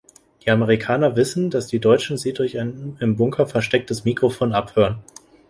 Die Amerikaner wissen, dass die Deutschen sie durch ein im Bunker verstecktes Mikrofon abhören.